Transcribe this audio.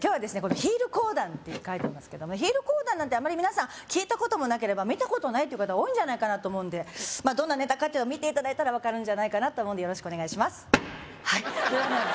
ヒール講談って書いてますけどもヒール講談なんてあまり皆さん聞いたこともなければ見たことないという方多いんじゃないかなと思うんでまあどんなネタかっていうのは見ていただいたら分かるんじゃないかなと思うんでよろしくお願いします